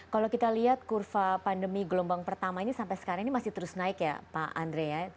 kalau kita lihat kurva pandemi gelombang pertama ini sampai sekarang ini masih terus naik ya pak andre ya